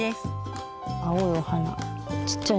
青いお花。